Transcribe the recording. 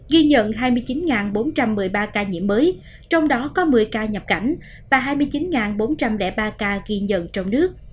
ghi nhận hai mươi chín bốn trăm một mươi ba ca nhiễm mới trong đó có một mươi ca nhập cảnh và hai mươi chín bốn trăm linh ba ca ghi nhận trong nước